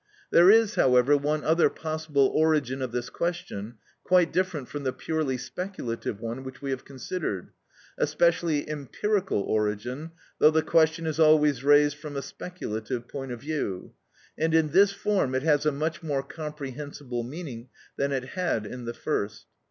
There is, however, one other possible origin of this question, quite different from the purely speculative one which we have considered, a specially empirical origin, though the question is always raised from a speculative point of view, and in this form it has a much more comprehensible meaning than it had in the first.